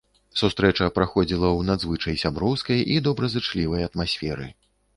Сустрэча праходзіла ў надзвычай сяброўскай і добразычлівай атмасферы.